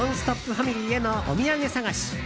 ファミリーへのお土産探し。